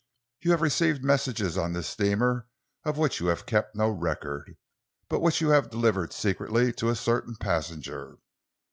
You have received messages on this steamer of which you have kept no record, but which you have delivered secretly to a certain passenger.